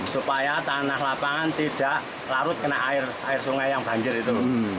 supaya tanah lapangan tidak larut kena air sungai yang banjir itu